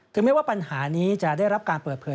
ไม่ว่าปัญหานี้จะได้รับการเปิดเผย